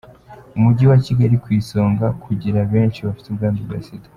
Umujyi wa Kigali ku isonga kugira benshi bafite ubwandu bwa sida